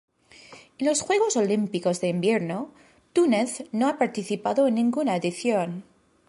En los Juegos Olímpicos de Invierno Túnez no ha participado en ninguna edición.